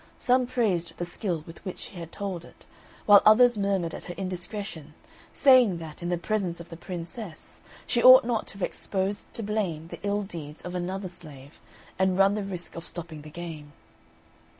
Some praised the skill with which she had told it, while others murmured at her indiscretion, saying that, in the presence of the Princess, she ought not to have exposed to blame the ill deeds of another slave, and run the risk of stopping the game.